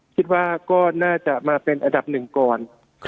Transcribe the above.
คิดว่าก็น่าจะมาเป็นอันดับหนึ่งก่อน